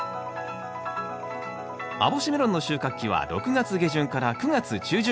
網干メロンの収穫期は６月下旬から９月中旬。